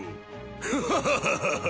フハハハハ！